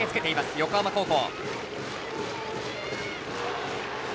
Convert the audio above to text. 横浜高校。